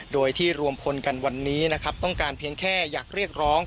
โดยที่รวมพลกันวันนี้นะครับต้องการเพียงแค่อยากเรียกร้อง